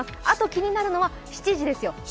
あと気になるのは７時ですよ。